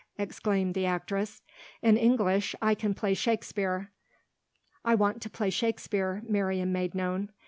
exclaimed the actress. "In English I can play Shakespeare. I want to play Shakespeare," Miriam made known.